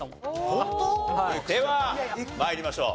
ホント？では参りましょう。